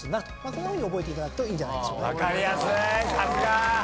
そんなふうに覚えていただくといいんじゃないでしょうかね。